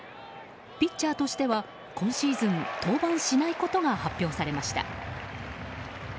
ピッチャーとしては今シーズン登板しないことが発表されました。